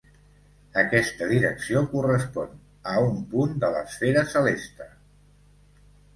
Aquesta direcció correspon a un punt de l'esfera celeste.